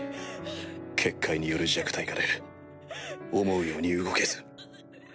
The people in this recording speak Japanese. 結界による弱体化で思うように動けず。